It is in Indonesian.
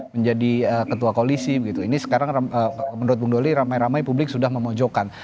menjadi ketua koalisi ini sekarang menurut bung doli ramai ramai publik sudah memojokkan